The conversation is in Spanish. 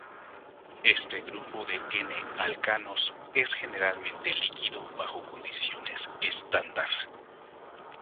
Este grupo de n-alcanos es generalmente líquido bajo condiciones estándar.